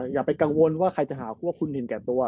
อย่าไปกังวลว่าใครจะหาพวกคุณเห็นแก่ตัว